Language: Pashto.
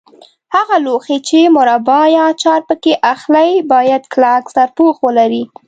هغه لوښي چې مربا یا اچار پکې اخلئ باید کلک سرپوښ ولري.